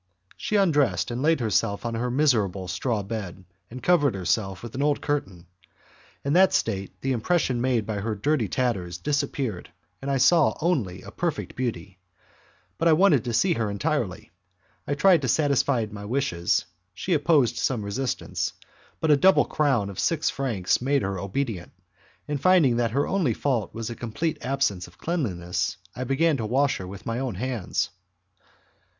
She undressed, laid herself on her miserable straw bed, and covered herself with an old curtain. In that state, the impression made by her dirty tatters disappeared, and I only saw a perfect beauty. But I wanted to see her entirely. I tried to satisfy my wishes, she opposed some resistance, but a double crown of six francs made her obedient, and finding that her only fault was a complete absence of cleanliness, I began to wash her with my own hands.